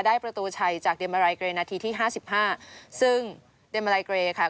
ได้ประตูชัยจากเดียนมารัยเกรนาทีที่ห้าสิบห้าซึ่งเดียนมารัยเกรค่ะ